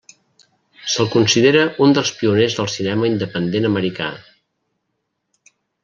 Se'l considera un dels pioners del cinema independent americà.